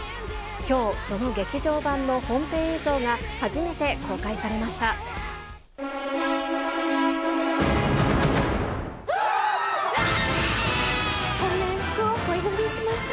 きょう、その劇場版の本編映像が初めて公開されました。